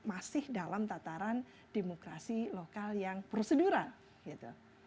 masih dalam tataran demokrasi lokal yang prosedural gitu